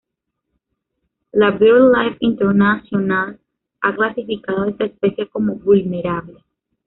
La BirdLife International ha clasificado esta especie como "vulnerable".